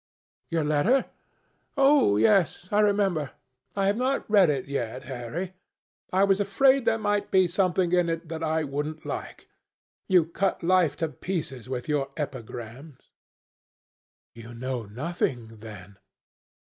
"Your letter? Oh, yes, I remember. I have not read it yet, Harry. I was afraid there might be something in it that I wouldn't like. You cut life to pieces with your epigrams." "You know nothing then?"